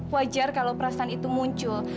wajar kalau perasaan itu muncul